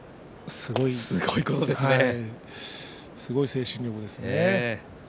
強い精神力ですね。